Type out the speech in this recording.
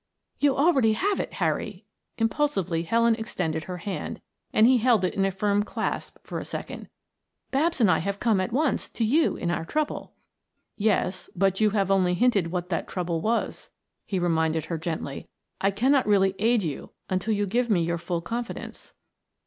"You already have it, Harry!" Impulsively Helen extended her hand, and he held it in a firm clasp for a second. "Babs and I have come at once to you in our trouble." "Yes, but you have only hinted what that trouble was," he reminded her gently. "I cannot really aid you until you give me your full confidence."